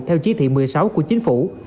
theo chí thị một mươi sáu của chính phủ